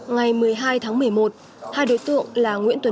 ngày một mươi hai tháng một mươi một hai đối tượng là nguyễn tuấn